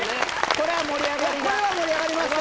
これは盛り上がりました